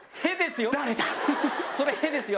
それ屁ですよ